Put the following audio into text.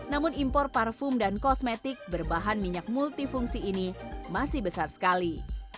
namun impor parfum dan kosmetik berbahan minyak multifungsi ini masih besar sekali